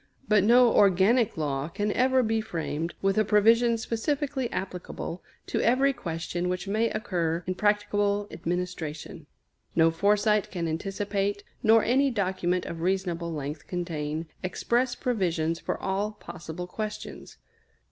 But no organic law can ever be framed with a provision specifically applicable to every question which may occur in practicable administration. No foresight can anticipate, nor any document of reasonable length contain, express provisions for all possible questions.